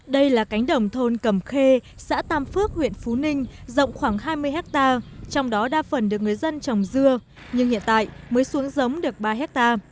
đây là cánh đồng thôn cầm khê xã tam phước huyện phú ninh rộng khoảng hai mươi hectare trong đó đa phần được người dân trồng dưa nhưng hiện tại mới xuống giống được ba hectare